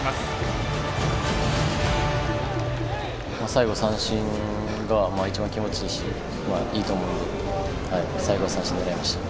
最後三振が一番気持ちいいしいいと思うので最後は三振を狙いました。